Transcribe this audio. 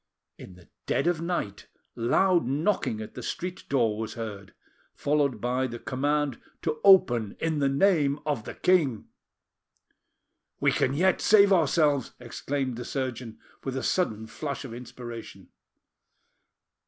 In the dead of night loud knocking at the street door was heard, followed by the command to open in the name of the king. "We can yet save ourselves!" exclaimed surgeon, with a sudden flash of inspiration.